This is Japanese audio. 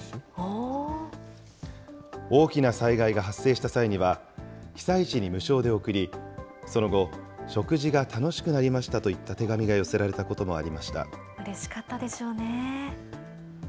大きな災害が発生した際には、被災地に無償で送り、その後、食事が楽しくなりましたといった手紙が寄せられたこともありましうれしかったでしょうね。